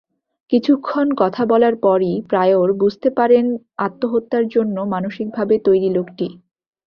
কিছুক্ষণ কথা বলার পরই প্রায়র বুঝতে পারেন আত্মহত্যার জন্য মানসিকভাবে তৈরি লোকটি।